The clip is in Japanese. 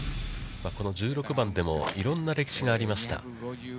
この１６番でも、いろんな歴史がありました。